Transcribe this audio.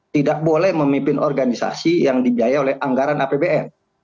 tidak boleh memimpin organisasi yang dibiaya oleh anggaran apbn